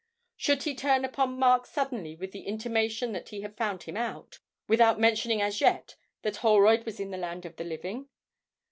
Should he turn upon Mark suddenly with the intimation that he had found him out, without mentioning as yet that Holroyd was in the land of the living?